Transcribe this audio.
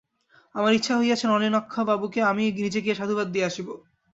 আমার ইচ্ছা হইয়াছে নলিনাক্ষবাবুকে আমি নিজে গিয়া সাধুবাদ দিয়া আসিব।